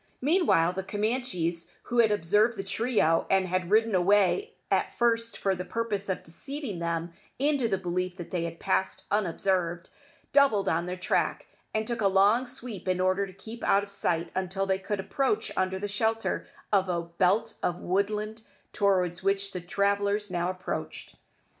Meanwhile the Camanchees, who had observed the trio, and had ridden away at first for the purpose of deceiving them into the belief that they had passed unobserved, doubled on their track, and took a long sweep in order to keep out of sight until they could approach under the shelter of a belt of woodland towards which the travellers now approached.